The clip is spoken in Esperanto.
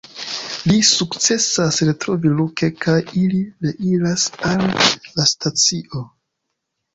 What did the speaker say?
Li sukcesas retrovi Luke kaj ili reiras al la stacio.